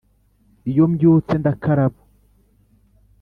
iyo mbyutse ndakaraba